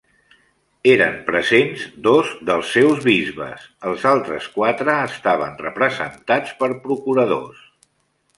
Eren presents dos dels seus bisbes, els altres quatre estaven representats per procuradors.